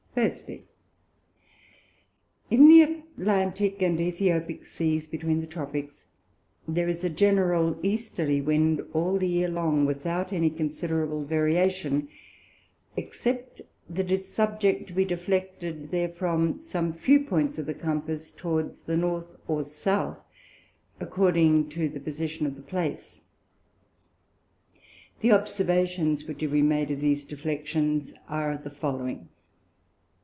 I. In the Atlantick and Æthiopick Seas between the Tropicks, there is a general Easterly Wind all the Year long, without any considerable Variation, excepting that it is subject to be deflected therefrom, some few Points of the Compass towards the North or South, according to the Position of the place. The Observations which have been made of these Deflections, are the following.